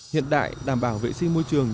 hiện đại đảm bảo vệ sinh môi trường